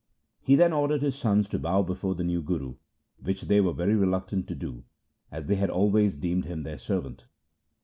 He then ordered his sons to bow before the new Guru, which they were very reluctant to do, as they had always deemed him their servant.